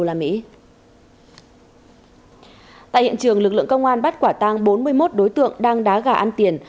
tại hiện trường lực lượng công an bắt quả tăng bốn mươi một đối tượng đang đá gà ăn tiền